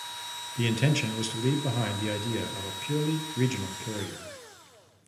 The intention was to leave behind the idea of a purely regional carrier.